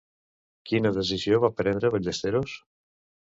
Quina decisió va prendre Ballesteros?